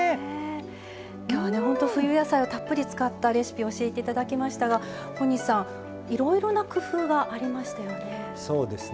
今日は冬野菜をたっぷり使ったレシピを教えていただきましたが小西さん、いろいろな工夫がありましたよね。